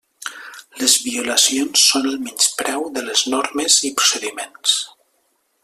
Les violacions són el menyspreu de les normes i procediments.